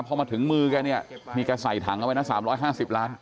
พอมาถึงมือแกเนี่ยนี่แกใส่ถังเอาไว้นะ๓๕๐ล้าน